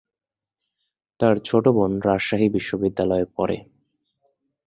তার ছোট বোন রাজশাহী বিশ্বনিদ্যালয়ে পড়ে।